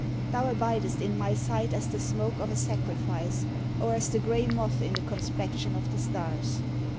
Thou abidest in My sight as the smoke of a sacrifice, or as the grey moth in the conspection of the stars.